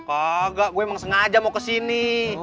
enggak gue emang sengaja mau kesini